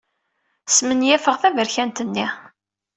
Smenyafeɣ taberkant-nni.